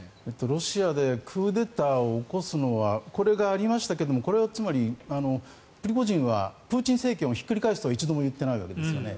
ロシアでクーデターを起こすのはこれがありましたけどこれはつまり、プリゴジンはプーチン政権をひっくり返すとは一度も言ってないわけですよね。